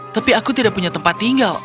tapi aku tidak punya tempat tinggal